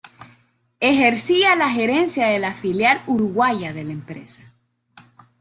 Ejercía la Gerencia de la filial uruguaya de la empresa.